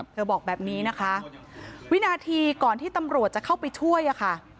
บอกแบบนี้นะคะวินาทีก่อนที่ตำรวจจะเข้าไปช่วยอะค่ะ